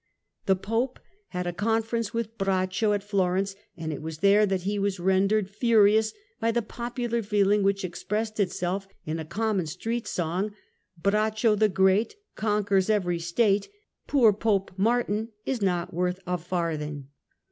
The Pope had 164 THE END OF THE MIDDLE AGE a conference with Braccio at Florence, and it was there that he was rendered furious by the popular feeling which expressed itself in a common street song, Braccio the Great Cunquers every State ; Poor Pope Martin Is not worth a farthing.